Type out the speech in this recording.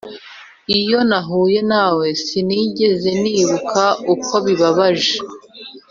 iyo nahuye nawe, sinigeze nibuka uko bibabaje.